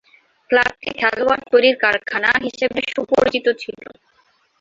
ক্লাবটি 'খেলায়াড় তৈরীর কারখানা' হিসেবে সুপরিচিত ছিল।